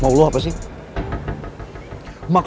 kamu udah sampai basic map